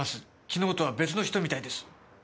昨日とは別の人みたいです。